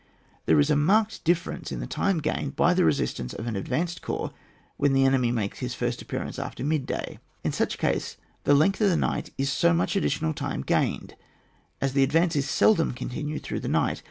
There is a marked difference in the time gained by the resistance of an advanced corps when the enemy makes his first appearance after midday ; in such a case the length of the night is so much addi tional time gained, as the advance is seldom continued throughout the night.